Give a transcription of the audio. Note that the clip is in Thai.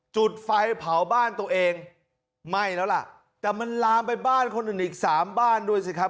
จุดไฟเผาบ้านตัวเองไหม้แล้วล่ะแต่มันลามไปบ้านคนอื่นอีกสามบ้านด้วยสิครับ